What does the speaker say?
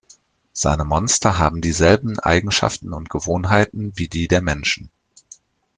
Seine Monster haben dieselben Eigenschaften und Gewohnheiten wie die der Menschen.